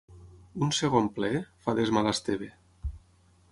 Un segon ple? —fa d'esma l'Esteve.